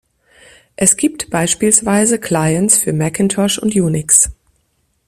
Es gibt beispielsweise Clients für Macintosh und Unix.